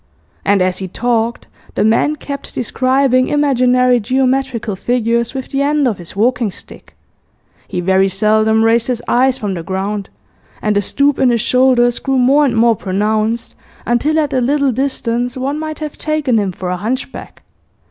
And as he talked the man kept describing imaginary geometrical figures with the end of his walking stick; he very seldom raised his eyes from the ground, and the stoop in his shoulders grew more and more pronounced, until at a little distance one might have taken him for a hunchback.